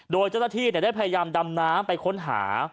โดยเจ้าหน้าที่ได้พยายามดำน้ำไปค้นหา